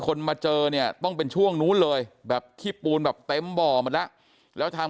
มาเจอเนี่ยต้องเป็นช่วงนู้นเลยแบบขี้ปูนแบบเต็มบ่อหมดแล้วแล้วทาง